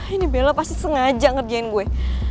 ini bella pasti sengaja ngerjain gue